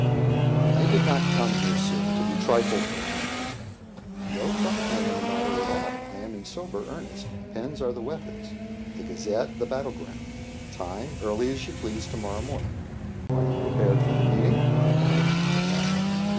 "I did not come here, sir, to be trifled with." "No trifling in the matter at all; I am in sober earnest. Pens are the weapons; the Gazette, the battle ground; time, early as you please to morrow morning. Are you prepared for the meeting?" "No."